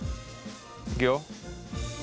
いくよ！